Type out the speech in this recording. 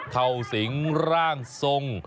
เข้าสิงร่างทรง